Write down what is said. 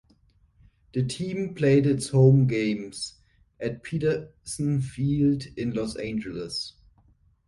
The team played its home games at Patterson Field in Los Angeles.